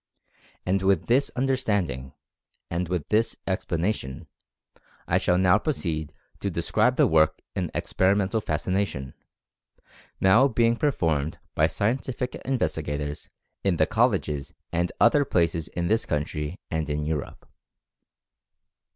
And with this understanding, and with this expla nation, I shall now proceed to describe the work in Experimental Fascination, now being performed by scientific investigators in the colleges and other places in this country and in Europe.